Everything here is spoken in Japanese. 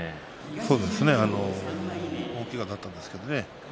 そうですね大けがだったんですけどね。